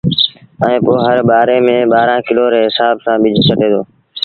ائيٚݩ پو هر ٻآري ميݩ ٻآرآݩ ڪلو ري هسآب سآݩ ٻج ڇٽي دو